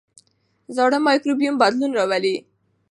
زاړه مایکروبیوم بدلون راولي.